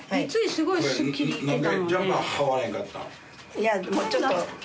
いやもうちょっと。